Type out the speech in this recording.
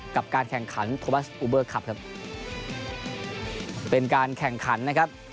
กับการแข่งขันโทบัสอูเบอร์คลับครับเป็นการแข่งขันนะครับ